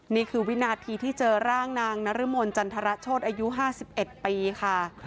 นี่คือวินาทีที่เจอร่างนางนรมนจันทรโชธอายุ๕๑ปีค่ะ